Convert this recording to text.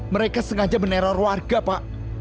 mereka sengaja meneror warga pak